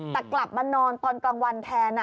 แต่กลับมานอนตอนกลางวันแทน